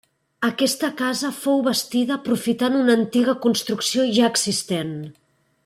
Aquesta casa fou bastida aprofitant una antiga construcció ja existent.